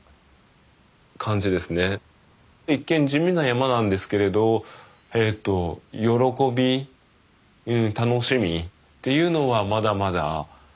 一見地味な山なんですけれど喜び楽しみっていうのはまだまだあの隠されてる。